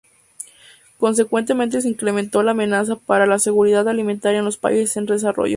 Consecuentemente se incrementó la amenaza para la seguridad alimentaria en los países en desarrollo.